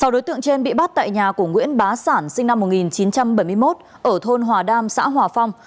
sáu đối tượng trên bị bắt tại nhà của nguyễn bá sản sinh năm một nghìn chín trăm bảy mươi một ở thôn hòa đam xã hòa phong